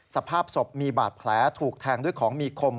สภาพศพมีบาดแผลถูกแทงด้วยของมีคม